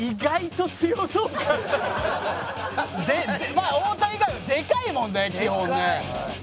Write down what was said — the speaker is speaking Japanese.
まあ太田以外はでかいもんね！基本ね。